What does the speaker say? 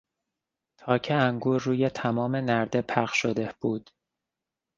تاک انگور روی تمام نرده پخش شده بود.